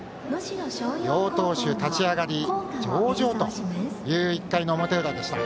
両投手、立ち上がり上々という１回の表裏でした。